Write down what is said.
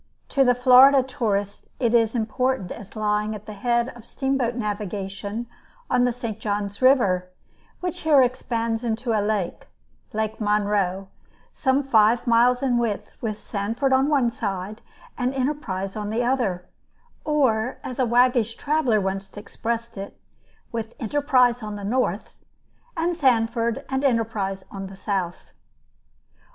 To the Florida tourist it is important as lying at the head of steamboat navigation on the St. John's River, which here expands into a lake Lake Monroe some five miles in width, with Sanford on one side, and Enterprise on the other; or, as a waggish traveler once expressed it, with Enterprise on the north, and Sanford and enterprise on the south.